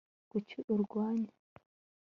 kuki murwanya